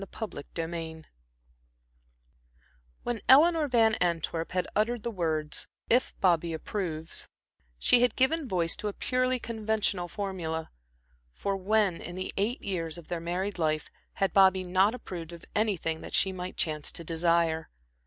Chapter XV When Eleanor Van Antwerp had uttered the words "If Bobby approves," she had given voice to a purely conventional formula; for when, in the eight years of their married life, had Bobby not approved of anything that she might chance to desire?